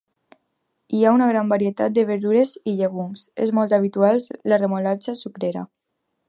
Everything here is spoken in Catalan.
Hi ha una gran varietat de verdures i llegums, és molt habitual la remolatxa sucrera.